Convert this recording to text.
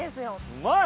・うまい！